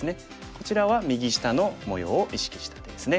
こちらは右下の模様を意識した手ですね。